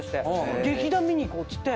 劇団見に行こうっつって。